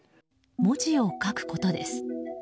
文字を書くことです。